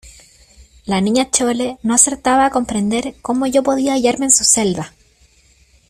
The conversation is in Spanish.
la Niña Chole no acertaba a comprender cómo yo podía hallarme en su celda,